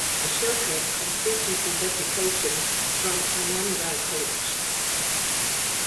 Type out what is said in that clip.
Ashoka completed his education from Ananda College.